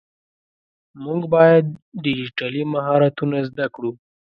مونږ باید ډيجيټلي مهارتونه زده کړو.